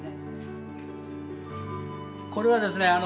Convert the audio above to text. これはですね